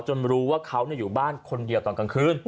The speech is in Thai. รู้ว่าเขาอยู่บ้านคนเดียวตอนกลางคืน